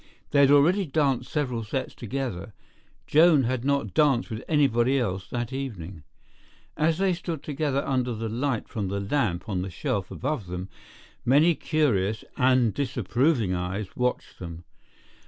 They had already danced several sets together; Joan had not danced with anybody else that evening. As they stood together under the light from the lamp on the shelf above them, many curious and disapproving eyes watched them.